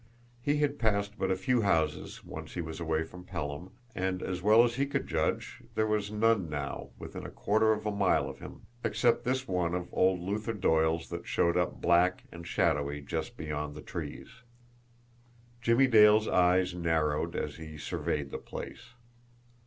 He had passed but few houses, once he was away from Pelham, and, as well as he could judge, there was none now within a quarter of a mile of him except this one of old Luther Doyle's that showed up black and shadowy just beyond the trees. Jimmie Dale's eyes narrowed as he surveyed the place.